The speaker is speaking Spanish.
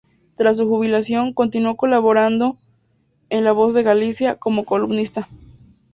Tras su jubilación, continuó colaborando en La Voz de Galicia, como columnista.